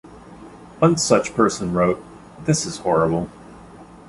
One such person wrote, This is horrible.